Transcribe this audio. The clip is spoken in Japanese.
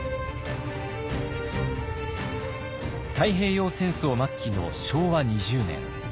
太平洋戦争末期の昭和２０年。